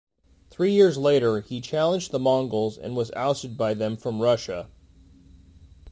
Three years later, he challenged the Mongols and was ousted by them from Russia.